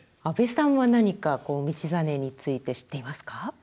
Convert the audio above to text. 安部さんは何か道真について知っていますか？